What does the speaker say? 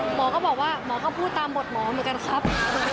หมอก็บอกว่าหมอก็พูดตามบทหมอเหมือนกันครับ